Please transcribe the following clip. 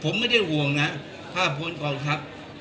ผมไม่ได้ห่วงนะผ้าผลกองทัพ